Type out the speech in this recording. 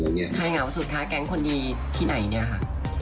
เหงาสุดคะแก๊งคนดีที่ไหนเนี่ยค่ะ